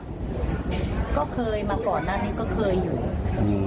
ก็เคยมาก่อนหน้านี้ก็เคยอยู่อืม